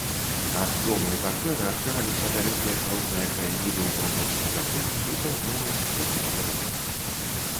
Ад дому і партэра адкрываліся далёкія чароўныя краявіды ў паўночна-заходнім і паўднёва-усходнім кірунках.